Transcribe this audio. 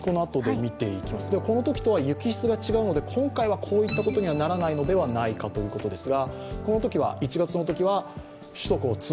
このときとは雪質が違うので今回はこういったことにはならないのではないかということですが。